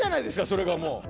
それがもう。